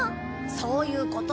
そういうこと！